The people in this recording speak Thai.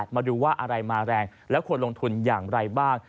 มาดูว่าอะไรมาแรงและควรลงทุนอย่างไรบ้าง